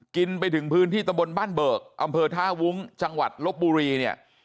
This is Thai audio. กินไปถึงพื้นที่ตะบนบ้านเบิกอำเภอท่าวุ้งจังหวัดลบบุรีเนี่ย